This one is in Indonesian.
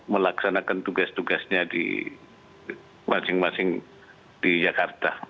melaksanakan tugas tugasnya di masing masing di jakarta